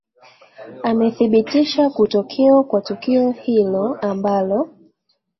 amethibitisha kutokeo kwa tukio hilo ambalo